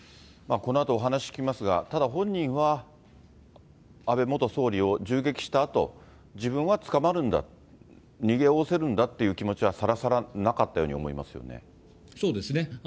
このあとお話聞きますが、ただ、本人は安倍元総理を銃撃したあと、自分は捕まるんだ、逃げおおせるんだという気持ちはさらさらなかったように思いますそうですね。